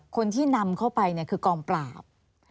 คนที่นำเข้าไปคือกองปราบ